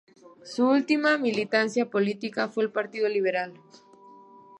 Su última militancia política fue el Partido Liberal.